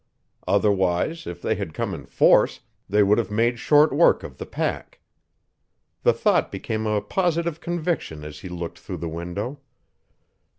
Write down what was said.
Otherwise, if they had come in force, they would have made short work of the pack. The thought became a positive conviction as he looked through the window.